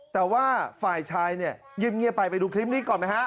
แต่ว่าฝ่ายชายเนี่ยเงียบไปไปดูคลิปนี้ก่อนไหมฮะ